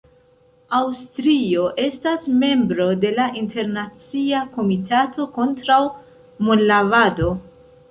Aŭstrio estas membro de la Internacia Komitato kontraŭ Monlavado.